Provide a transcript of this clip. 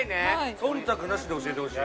そんたくなしで教えてほしい。